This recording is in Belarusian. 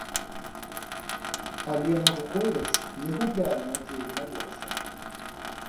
Але навуковец не губляе надзеі на лепшае.